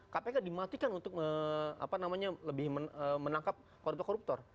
kpk dimatikan untuk lebih menangkap koruptor koruptor